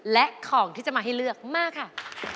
และของที่จะมาให้เลือกมาค่ะ